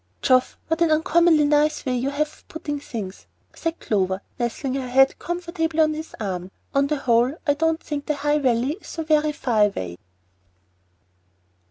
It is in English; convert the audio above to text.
"Geoff, what an uncommonly nice way you have of putting things," said Clover, nestling her head comfortably on his arm. "On the whole I don't think the High Valley is so very far away."